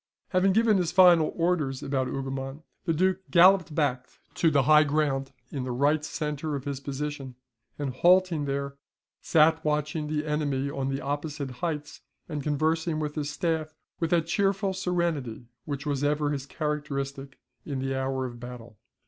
Having given his final orders about Hougoumont, the Duke galloped back to the high ground in the right centre of his position; and halting there, sat watching the enemy on the opposite heights, and conversing with his staff with that cheerful serenity which was ever his characteristic in the hour of battle.